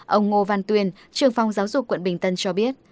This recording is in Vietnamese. ông ngô văn tuyên trường phong giáo dục quận bình tân cho biết